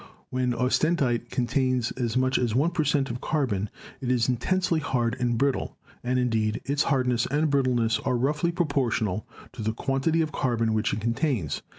When austenite contains as much as 1 per cent, of carbon it is intensely hard and brittle, and indeed its hardness and brittleness are roughly proportional to the quantity of carbon which it contains.